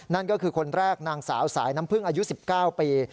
นั่นก็คือคนแรกนางสาวสายน้ำพึ่งอายุ๑๙ปี